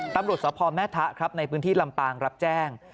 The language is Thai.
ตำรวจสพแม่ทะครับในพื้นที่ลำปางรับแจ้ง